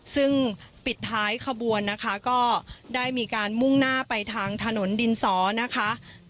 ซึ่งปิดท้ายขบวนนะคะก็ได้มีการมุ่งหน้าไปทางถนนดินสอนะคะ